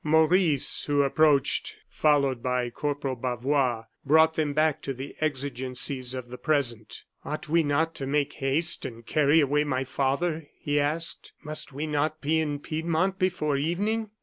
Maurice, who approached, followed by Corporal Bavois, brought them back to the exigencies of the present. "Ought we not to make haste and carry away my father?" he asked. "Must we not be in Piedmont before evening?"